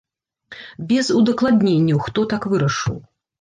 Без удакладненняў, хто так вырашыў.